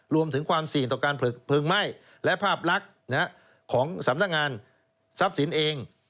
รวมถึงความเสี่ยงต่อการเพลิงไหม้และภาพลักษณ์ของสำนักงานทรัพย์สินเอง